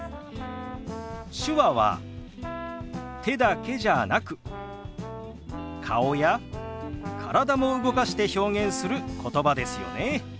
手話は手だけじゃなく顔や体も動かして表現することばですよね。